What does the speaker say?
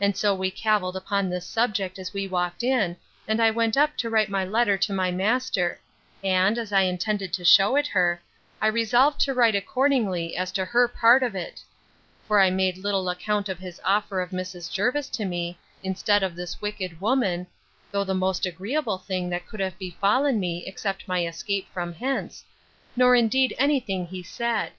And so we cavilled upon this subject as we walked in, and I went up to write my letter to my master; and, as I intended to shew it her, I resolved to write accordingly as to her part of it; for I made little account of his offer of Mrs. Jervis to me, instead of this wicked woman, (though the most agreeable thing that could have befallen me, except my escape from hence,) nor indeed any thing he said.